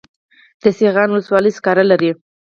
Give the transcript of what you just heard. د سیغان ولسوالۍ سکاره لري